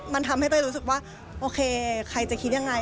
มันทำให้เต้ยรู้สึกว่าโอเคใครจะคิดยังไง